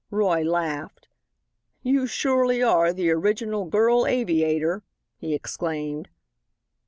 Roy laughed. "You surely are the original Girl Aviator," he exclaimed.